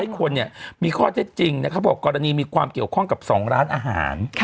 ๒๐๐คนเนี่ยมีข้อเจ็ดจริงนะครับว่ากรณีมีความเกี่ยวข้องกับ๒ร้านอาหาร